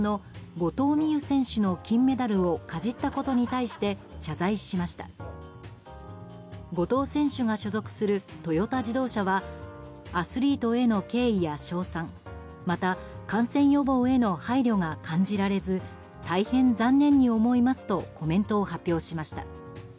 後藤選手が所属するトヨタ自動車はアスリートへの敬意や称賛また、感染予防への配慮が感じられず大変残念に思いますとコメントを発表しました。